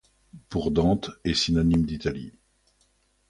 Pour Dante, est synonyme d'Italie.